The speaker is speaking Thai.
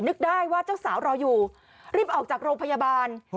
นึกได้ว่าเจ้าสาวรออยู่รีบออกจากโรงพยาบาล